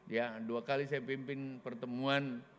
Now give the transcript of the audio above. ya dua kali saya pimpin pertemuan